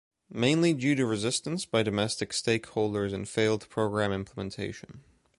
Mainly due to resistance by domestic stakeholders and failed program implementation.